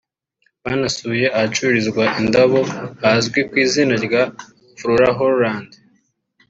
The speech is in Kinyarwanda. Banasuye ahacururizwa indabyo hazwi ku izina rya FloraHolland